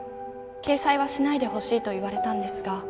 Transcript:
掲載はしないでほしいと言われたんですが